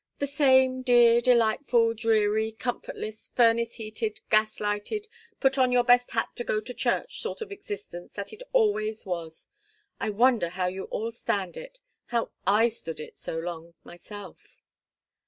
"The same dear, delightful, dreary, comfortless, furnace heated, gas lighted, 'put on your best hat to go to church' sort of existence that it always was! I wonder how you all stand it how I stood it so long myself!"